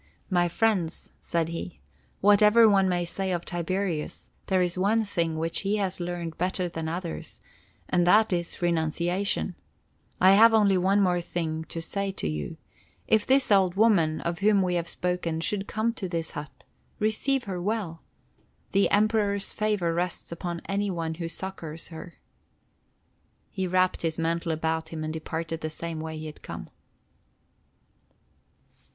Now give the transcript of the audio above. "My friends," said he, "whatever one may say of Tiberius, there is one thing which he has learned better than others; and that is—renunciation. I have only one thing more to say to you: If this old woman, of whom we have spoken, should come to this hut, receive her well! The Emperor's favor rests upon any one who succors her." He wrapped his mantle about him and departed the same way that he had come.